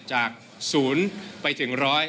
จากศูนย์ไปถึงร้อย